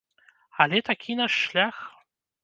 Але такі наш шлях.